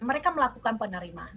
mereka melakukan penerimaan